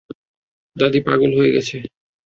দাদী পাগল হয়ে গেছে।